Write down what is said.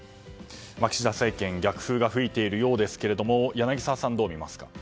岸田政権、逆風が吹いているようですけども柳澤さんはどう見ますか？